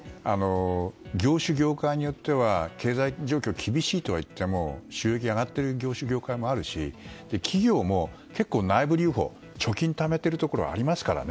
業種、業界によっては経済状況が厳しいといっても収益が上がっている業種、業界もあるし企業も結構内部留保、貯金をためているところありますからね。